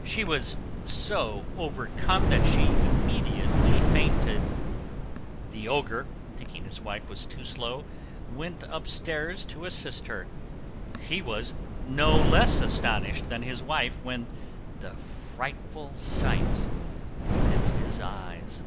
She was so overcome that she immediately fainted. The Ogre, thinking his wife was too slow, went upstairs to assist her. He was no less astonished than his wife when the frightful sight met his eyes.